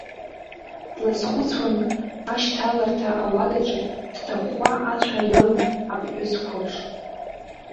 Длызхәыцуан ашьҭаларҭа ауадаҿы дҭахәхәа ацәа иалоу аԥҳәыс қәыԥш.